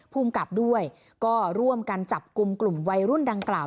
ผู้มันกลับด้วยก็ร่วมกันจับกลุ่มวัยรุ่นดังกล่าว